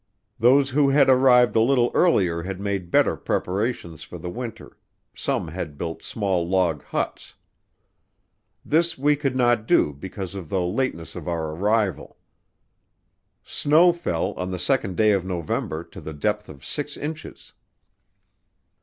Those who had arrived a little earlier had made better preparations for the winter; some had built small log huts. This we could not do because of the lateness of our arrival. Snow fell on the 2nd day of November to the depth of six inches.